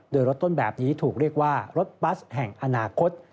โดยรถต้นแบบนี้ถูกเรียกว่ารถบัสแห่งอนาคต